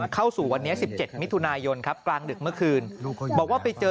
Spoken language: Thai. เข้าสู่วันนี้๑๗มิถุนายนครับกลางดึกเมื่อคืนบอกว่าไปเจอ